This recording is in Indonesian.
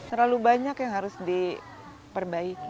terlalu banyak yang harus diperbaiki